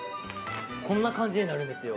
こんな感じになるんですよ。